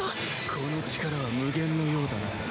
この力は無限のようだな。